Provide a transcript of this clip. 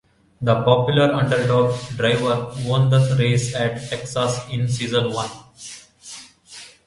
The popular underdog driver won the race at Texas in Season One.